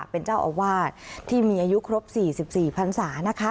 เป็นเจ้าอาวาสที่มีอายุครบ๔๔พันศานะคะ